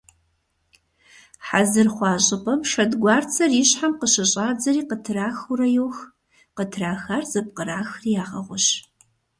Хьэзыр хъуа щӀыпӀэм шэдгуарцэр и щхьэм къыщыщӏадзэри къытрахыурэ йох, къытрахар зэпкърахри ягъэгъущ.